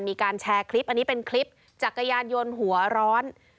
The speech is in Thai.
มีการแชร์คลิปอันนี้เป็นคลิปจักรยานยนต์หัวร้อน